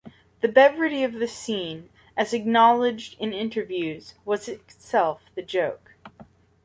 The brevity of the scene, as acknowledged in interviews, was itself the joke.